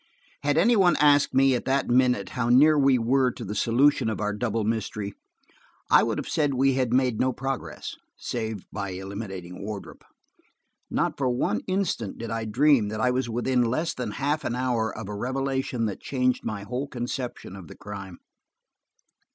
Had any one asked me, at that minute, how near we were to the solution of our double mystery, I would have said we had made no progress–save by eliminating Wardrop. Not for one instant did I dream that I was within less than half an hour of a revelation that changed my whole conception of the crime.